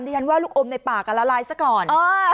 ฉันว่าลูกอมในปากละลายซะก่อน